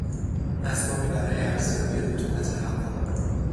اسبابی برای ارزیابی رطوبت هوا